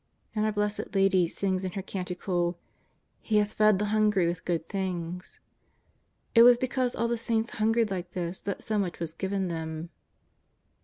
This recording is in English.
And our Blessed Lady sings in her canticle: " He hath fed the hungry with good things." It was because all the saints hungered like this that so much was given them.